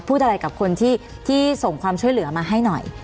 พูดอะไรกับคนที่ส่งความช่วยเหลือมาให้หน่อย